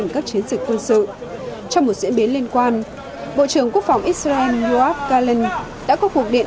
các chiến dịch quân sự trong một diễn biến liên quan bộ trưởng quốc phòng israel yoav galan đã có cuộc điện